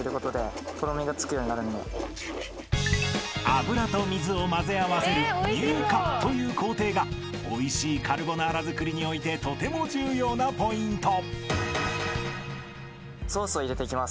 ［油と水を混ぜ合わせる乳化という工程がおいしいカルボナーラ作りにおいてとても重要なポイント］